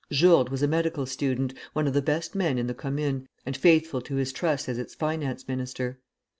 Jourde was a medical student, one of the best men in the Commune, and faithful to his trust as its finance minister.